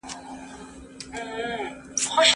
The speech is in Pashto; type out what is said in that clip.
پخوا درملنه د بنسټيزو اړتياوو څخه نه وه.